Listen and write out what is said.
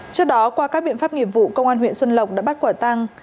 trước đó qua các biện pháp nghiệp vụ công an huyện xuân lộc đã bắt quả tăng